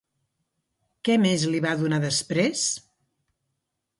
Què més li va donar després?